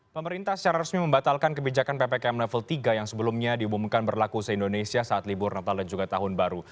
pemerintah secara resmi membatalkan kebijakan ppkm level tiga yang sebelumnya diumumkan berlaku se indonesia saat libur natal dan juga tahun baru